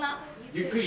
ゆっくり。